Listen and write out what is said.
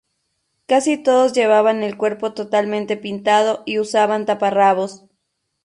Casi todos llevaban el cuerpo totalmente pintado y usaban taparrabos.